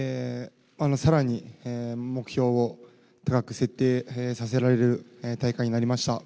さらに目標を高く設定させられる大会になりました。